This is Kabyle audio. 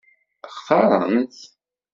Xtaṛen-t?